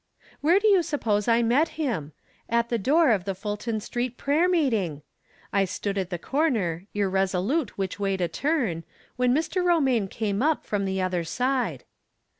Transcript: Where do you suppose I met him ? At the door of the Fulton Street prayer meeting! I stood at the corner, irresolute which way to turn, when Mr. Romaine came up, from the other side.